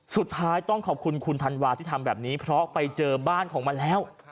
สุดท้ายต้องขอบคุณคุณธันวาที่ทำแบบนี้เพราะไปเจอบ้านของมันแล้ว